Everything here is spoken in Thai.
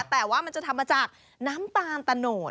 แต่ว่ามันจะทำมาจากน้ำตาลตะโนด